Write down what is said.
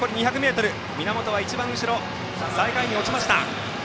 源は一番後ろの最下位に落ちました。